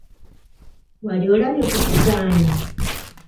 Wali olabye ku kisaanyi?